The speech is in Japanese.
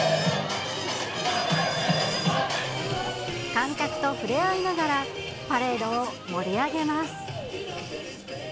観客と触れ合いながら、パレードを盛り上げます。